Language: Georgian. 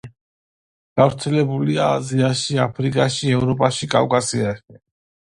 გავრცელებულია აზიაში, აფრიკაში, ევროპაში, კავკასიაში.